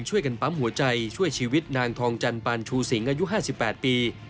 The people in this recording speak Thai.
ช่วยกันปั๊มหัวใจช่วยชีวิตนางทองจันปานชูสิงอายุ๕๘ปี